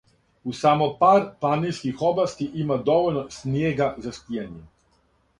У само пар планинских области има довољно снијега за скијање.